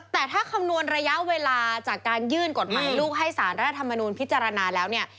แต่ถ้าคำนวณระยะเวลาจากการยื่นกฎหมายลูกให้สารรัฐธรรมนูลพิจารณาแล้วเนี่ย